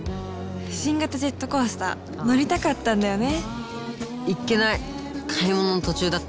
新型ジェットコースター乗りたかったんだよね。